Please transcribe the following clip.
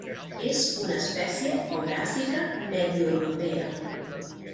És una espècie eurasiàtica, medioeuropea.